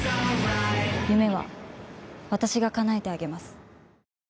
夢は私がかなえてあげます。